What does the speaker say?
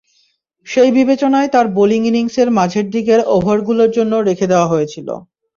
সেই বিবেচনায় তার বোলিং ইনিংসের মাঝের দিকের ওভারগুলোর জন্য রেখে দেওয়া হয়েছিল।